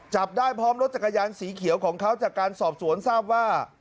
จับได้พร้อมรถจักรยานสีเขียวของเขาจากการสอบสวนทราบว่า